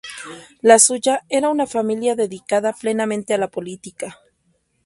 La suya era una familia dedicada plenamente a la política.